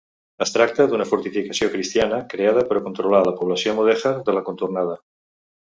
Es tracta d'una fortificació cristiana creada per a controlar la població mudèjar de la contornada.